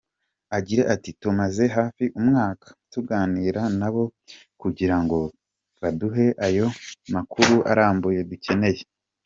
Agira ati “Tumaze hafi umwaka tuganira nabo kugira ngo baduhe ayo makuru arambuye dukeneye….